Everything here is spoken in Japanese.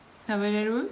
食べる。